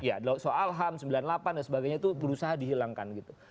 ya soal ham sembilan puluh delapan dan sebagainya itu berusaha dihilangkan gitu